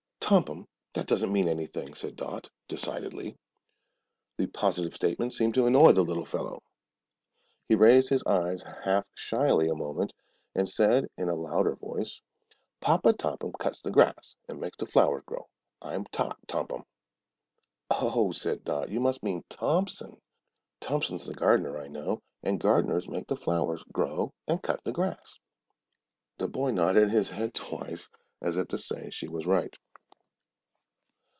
"Tompum! That doesn't mean anything," said Dot, decidedly. This positive statement seemed to annoy the little fellow. He raised his eyes half shyly a moment and said, in a louder voice: "Papa Tompum cuts the grass, an' makes the flowers grow. I'm Tot Tompum." "Oh," said Dot; "you must mean Thompson. Thompson's the gardener, I know, and gardeners make the flowers grow and cut the grass." The boy nodded his head twice as if to say she was right.